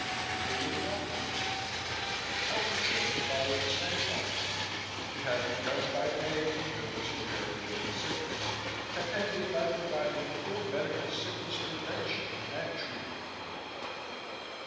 People lived longer. Health insurance followed the same pattern. It had begun by paying for bills incurred during sickness, and ended by providing full medical sickness prevention and treatment for all.